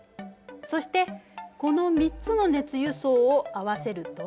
そしてこの３つの熱輸送を合わせると。